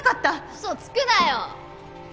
嘘つくなよ！